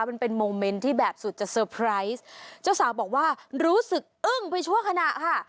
มันเป็นโมเมนต์ที่แบบสุดจะเตอร์ไพรส์เจ้าสาวบอกว่ารู้สึกอึ้งไปชั่วขณะค่ะ